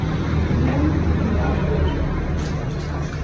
Iggingen fiel an Schwäbisch Gmünd.